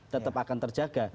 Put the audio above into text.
tetap akan terjaga